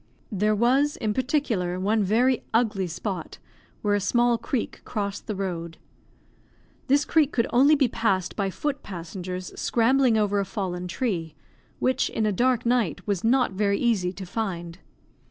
There was, in particular, one very ugly spot, where a small creek crossed the road. This creek could only be passed by foot passengers scrambling over a fallen tree, which, in a dark night, was not very easy to find.